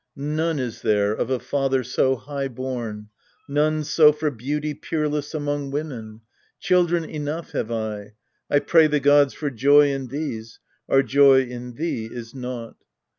None is there of a father so high born, None so for beauty peerless among women. Children enough have I : I pray the gods For joy in these our joy in thee is naught.